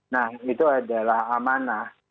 nah itu adalah amanah